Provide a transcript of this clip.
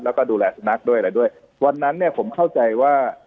แล้วก็ดูแลสุนัขด้วยอะไรด้วยวันนั้นเนี่ยผมเข้าใจว่า